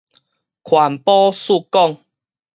環保欶管